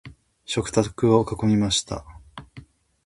食卓を囲みました。